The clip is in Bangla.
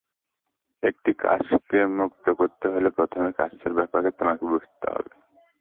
একটা কার্সকে মুক্ত করতে হলে, প্রথমে কার্সের ব্যাপারে তোমাকে বুঝতে হবে।